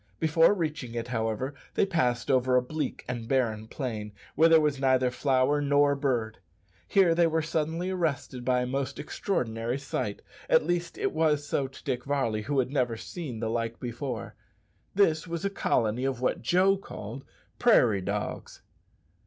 Before reaching it, however, they passed over a bleak and barren plain where there was neither flower nor bird. Here they were suddenly arrested by a most extraordinary sight at least it was so to Dick Varley, who had never seen the like before. This was a colony of what Joe called "prairie dogs."